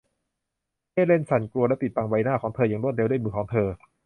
เฮเลนสั่นกลัวและปิดบังใบหน้าของเธออย่างรวดเร็วด้วยมือของเธอ